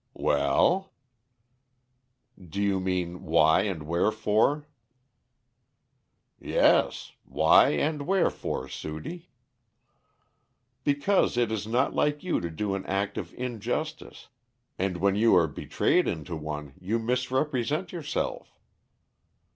"Well?" "Do you mean why and wherefore?" "Yes. Why and wherefore, Sudie?" "Because it is not like you to do an act of injustice, and when you are betrayed into one you misrepresent yourself."